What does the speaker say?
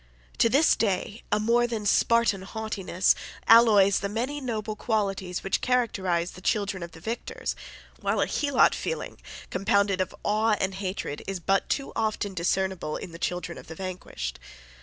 To this day a more than Spartan haughtiness alloys the many noble qualities which characterize the children of the victors, while a Helot feeling, compounded of awe and hatred, is but too often discernible in the children of the vanquished.